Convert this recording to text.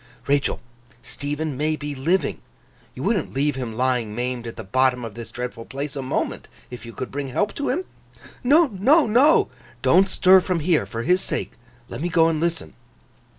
'Rachael, Stephen may be living. You wouldn't leave him lying maimed at the bottom of this dreadful place, a moment, if you could bring help to him?' 'No, no, no!' 'Don't stir from here, for his sake! Let me go and listen.